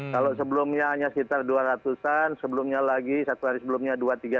kalau sebelumnya hanya sekitar dua ratus an sebelumnya lagi satu hari sebelumnya dua tiga puluh